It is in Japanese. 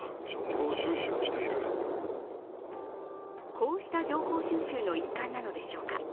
こうした情報収集の一環なのでしょうか。